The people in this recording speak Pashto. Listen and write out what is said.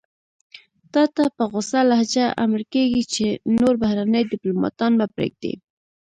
تاته په غوڅه لهجه امر کېږي چې نور بهرني دیپلوماتان مه پرېږدئ.